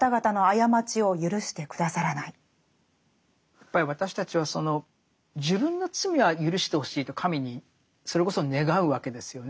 やっぱり私たちはその自分の罪はゆるしてほしいと神にそれこそ願うわけですよね。